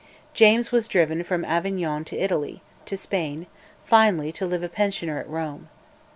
James was driven from Avignon to Italy, to Spain, finally to live a pensioner at Rome.